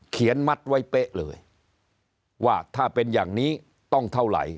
มัดไว้เป๊ะเลยว่าถ้าเป็นอย่างนี้ต้องเท่าไหร่